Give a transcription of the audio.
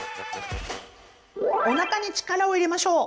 おなかに力を入れましょう！